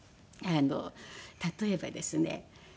例えばですね